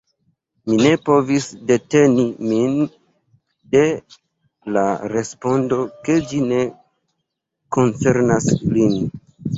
Mi ne povis deteni min de la respondo, ke ĝi ne koncernas lin.